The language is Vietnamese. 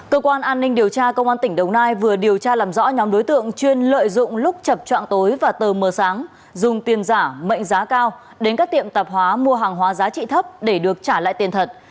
cơ quan an ninh điều tra công an tỉnh đồng nai vừa điều tra làm rõ nhóm đối tượng chuyên lợi dụng lúc chập trạng tối và tờ mờ sáng dùng tiền giả mệnh giá cao đến các tiệm tạp hóa mua hàng hóa giá trị thấp để được trả lại tiền thật